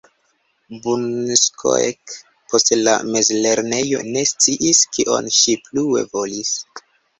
Bunskoek post la mezlernejo ne sciis kion ŝi plue volis.